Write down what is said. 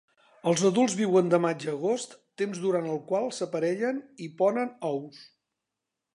Els adults viuen de maig a agost, temps durant el qual s'aparellen i ponen ous.